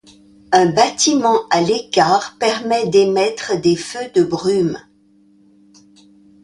Un bâtiment à l'écart permet d'émettre des feux de brume.